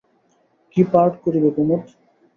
কী part করিবে কুমুদ?